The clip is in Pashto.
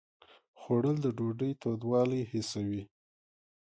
خوړل د ډوډۍ تودوالی حسوي